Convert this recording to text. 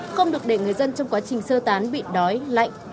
không được để người dân trong quá trình sơ tán bị đói lạnh